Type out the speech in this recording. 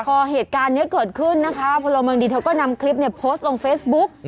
พอเหตุการณ์นี้เกิดขึ้นนะคะพลเมืองดีเธอก็นำคลิปเนี่ยโพสต์ลงเฟซบุ๊ก